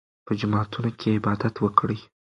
په جوماتونو کې عبادت وکړئ.